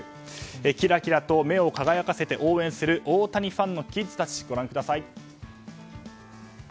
キラキラと目を輝かせて応援する大谷ファンのキッズたちをご覧ください。